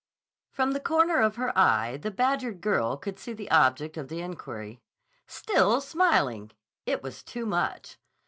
From the corner of her eye the badgered girl could see the object of the inquiry. Still smiling! It was too much.